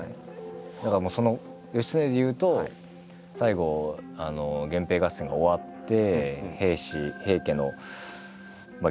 だから義経でいうと最後源平合戦が終わって平家のまあ